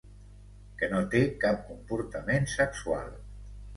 Que no té cap comportament sexual.